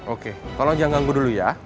oke tolong jangan gue dulu ya